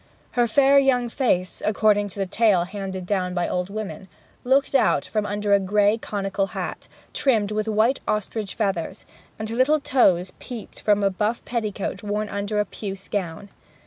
Her fair young face (according to the tale handed down by old women) looked out from under a gray conical hat, trimmed with white ostrich feathers, and her little toes peeped from a buff petticoat worn under a puce gown.